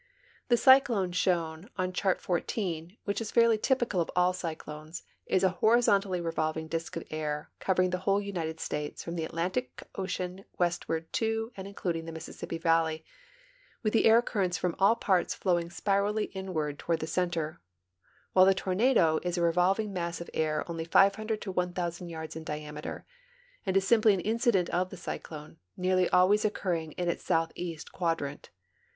The cyclone shown on Chart XIV, which is fairly typical of all cyclones, is a horizontally revolving disk of air, covering the whole United States from the Atlantic ocean westward to and including the Mississippi valley, with the air currents from all points flowing spirally inward toward the center, while the tor nado is a revolving mass of air of only 500 to 1,000 yards in diameter, and is simply an incident of the cyclone, nearly always occurring in its southeast quadrant.